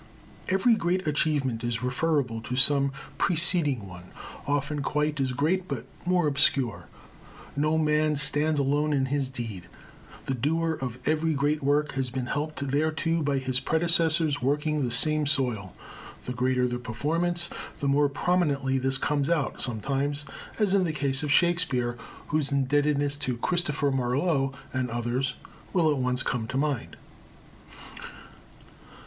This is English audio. Every great achievement is referable to some preceding one often quite as great but more obscure. No man stands alone in his deed. The doer of every great work has been helped thereto by his predecessors working the same soil. The greater the performance, the more prominently this comes out sometimes, as in the case of Shakespeare whose indebtedness to Christopher Marlowe and others will at once come to mind.